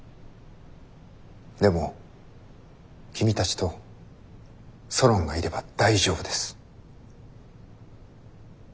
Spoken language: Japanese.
でも君たちとソロンがいれば大丈夫です。